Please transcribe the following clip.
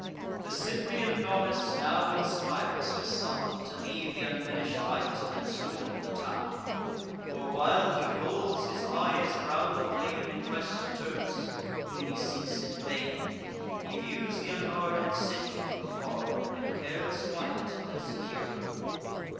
The Cyprian goddess now inspires her son To leave th' unfinish'd fight, and storm the town: For, while he rolls his eyes around the plain In quest of Turnus, whom he seeks in vain, He views th' unguarded city from afar, In careless quiet, and secure of war.